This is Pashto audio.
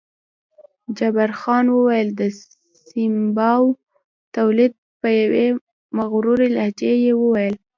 جبار خان وویل: د سیمابو تولید، په یوې مغرورې لهجې یې وویل.